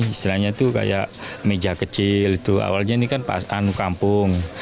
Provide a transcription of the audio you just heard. istilahnya itu kayak meja kecil awalnya ini kan pasan kampung